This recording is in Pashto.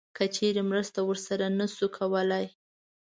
که چیرته مرسته ورسره نه شو کولی